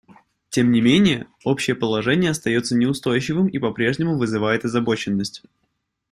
Тем не менее, общее положение остается неустойчивым и по-прежнему вызывает озабоченность.